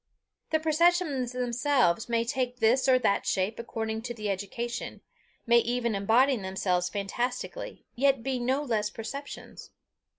The perceptions themselves may take this or that shape according to the education may even embody themselves fantastically, yet be no less perceptions.